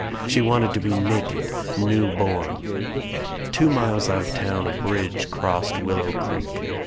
She wanted to be naked, new born. Two miles out of town a bridge crossed Willow Creek.